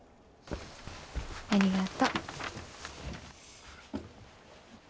ありがと。